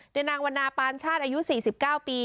โดยนางวันนาปานชาติอายุ๔๙ปี